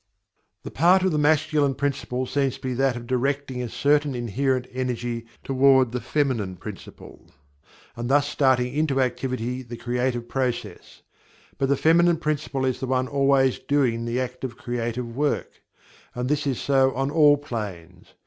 The part of the Masculine principle seems to be that of directing a certain inherent energy toward the Feminine principle, and thus starting into activity the creative processes. But the Feminine principle is the one always doing the active creative work and this is so on all planes.